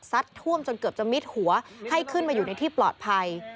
ท่วมจนเกือบจะมิดหัวให้ขึ้นมาอยู่ในที่ปลอดภัย